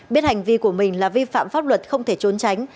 biết hành vi của mình là vi phạm pháp luật không thể trốn tránh